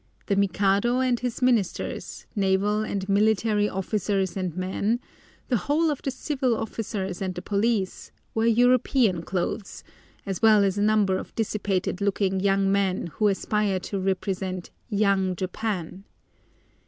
The Mikado and his ministers, naval and military officers and men, the whole of the civil officials and the police, wear European clothes, as well as a number of dissipated looking young men who aspire to represent "young Japan."